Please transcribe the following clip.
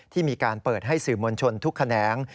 ที่มีการเปิดให้สื่อมวลชนทุกแขนง